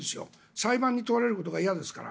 裁判に問われることが嫌ですから。